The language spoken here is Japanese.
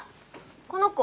この子。